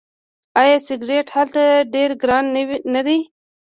آیا سیګرټ هلته ډیر ګران نه دي؟